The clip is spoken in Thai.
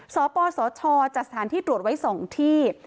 สปสชจัดสถานที่ตรวจไว้๒ที่